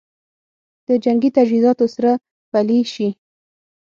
د جنګي تجهیزاتو سره پلي شي